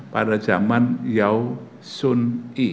pada zaman yaw sun i